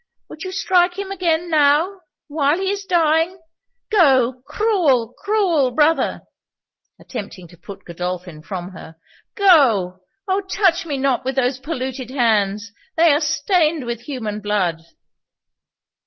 would you strike him again? now! while he is dying? Go! cruel, cruel brother!' attempting to put Godolphin from her 'Go! Oh! touch me not with those polluted hands, they are stained with human blood!'